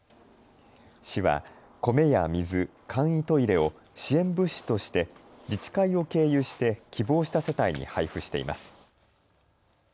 市は米や水、簡易トイレを支援物資として自治会を経由して希望した世帯に配布しています。